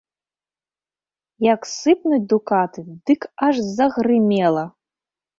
Як сыпнуць дукаты, дык аж загрымела!